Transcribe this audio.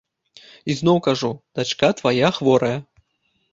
І зноў кажу, дачка твая хворая.